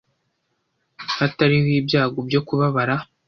Hatariho ibyago byo kubabara,